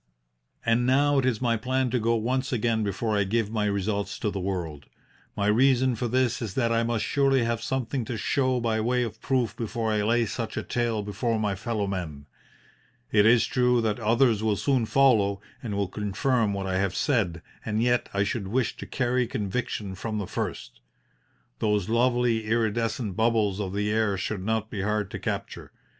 "And now it is my plan to go once again before I give my results to the world. My reason for this is that I must surely have something to show by way of proof before I lay such a tale before my fellow men. It is true that others will soon follow and will confirm what I have said, and yet I should wish to carry conviction from the first. Those lovely iridescent bubbles of the air should not be hard to capture.